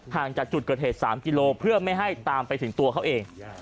จากจุดเกิดเหตุ๓กิโลเพื่อไม่ให้ตามไปถึงตัวเขาเอง